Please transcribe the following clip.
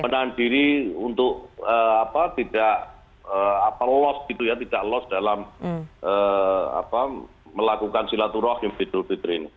menahan diri untuk tidak loss gitu ya tidak loss dalam melakukan silaturahim idul fitri ini